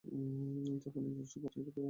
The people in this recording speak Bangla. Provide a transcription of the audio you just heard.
আপনি একজন সুপারহিরো, প্রেম মানব।